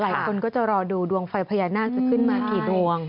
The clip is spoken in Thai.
หลายคนก็จะรอดูดวงไฟพญานาคจะขึ้นมากี่ดวง